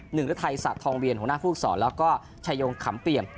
หนึ่งละทายสัตว์ทองเวียนหัวหน้าภูกษอแล้วก็ชายงขำเปลี่ยน